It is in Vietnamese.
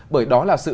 bởi đó là sự